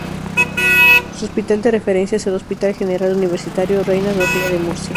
Su hospital de referencia es el Hospital General Universitario Reina Sofía de Murcia.